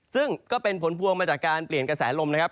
ซึ่งก็เป็นผลพวงมาจากการเปลี่ยนกระแสลมนะครับ